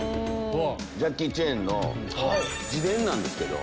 ジャッキー・チェンの自伝なんですけど。